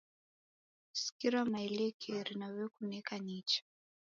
Sikira maelekeri naw'ekuneka nicha